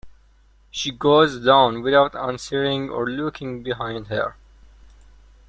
She goes down without answering or looking behind her.